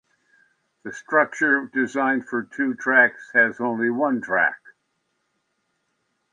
The structure designed for two tracks has only one track.